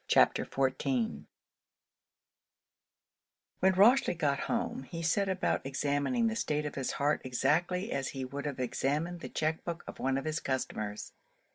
CHAPTER XIV When Rochely got home, he set about examining the state of his heart exactly as he would have examined the check book of one of his customers.